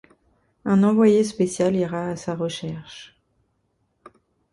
Un envoyé spécial ira à sa recherche…